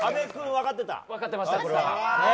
分かってました、これは。